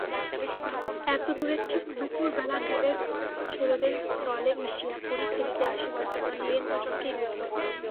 এতদূরে ঠিক দুপুরবেলা জেলের ছেলেদের দলে মিশিয়া কড়ি খেলিতে আসিবার জন্য নীরেন দুজনকেই বকিল।